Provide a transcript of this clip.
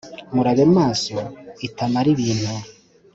Murabe maso itamara ibintu!